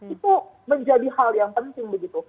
itu menjadi hal yang penting begitu